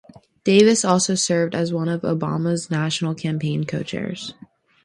Davis also served as one of Obama's national campaign co-chairs.